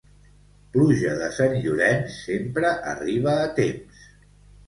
Pluja de Sant Llorenç sempre arriba a temps.